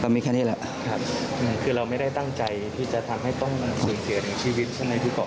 มีแค่นี้แหละครับคือเราไม่ได้ตั้งใจที่จะทำให้ต้องสูญเสียถึงชีวิตใช่ไหมที่บอก